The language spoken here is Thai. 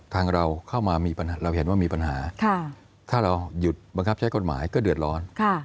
ทางเราเข้ามามีปัญหาเราเห็นว่ามีปัญหาถ้าเราหยุดบังคับใช้กฎหมายก็เดือดร้อน